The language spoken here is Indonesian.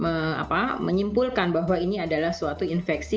tentunya kita tidak serta merta bisa menyimpulkan bahwa ini adalah suatu luka